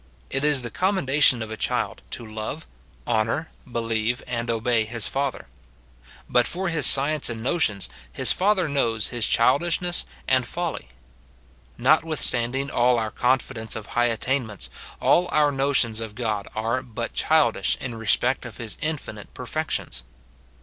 It is tlie commendation of a child to love, honour, believe, and obey his father ; but for his science and notions, his father knows his childishness and folly. Notwithstanding all our confidence of high at tainments, all our notions of God are but childish in SIN IN BELIEVERS. 265 respect of his infinite perfections.